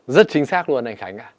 rất chính xác luôn